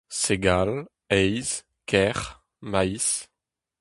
Segal, heiz, kerc'h, maiz.